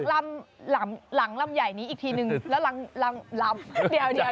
หลังหลังหลังใหญ่นี้อีกทีนึงแล้วหลังหลังหลังเดี๋ยว